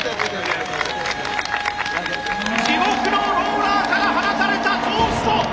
地獄のローラーから放たれたトースト。